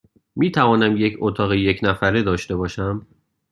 می توانم یک اتاق یک نفره داشته باشم؟